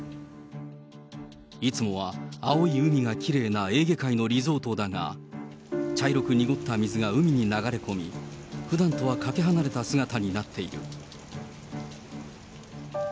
いつもは青い海がきれいなエーゲ海のリゾートだが、茶色く濁った水が海に流れ込み、ふだんとはかけ離れた姿になっている。